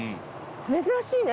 珍しいね。